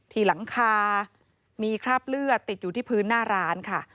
ที่หลังคามีคราบเลือดติดอยู่ที่พื้นหน้าร้านค่ะ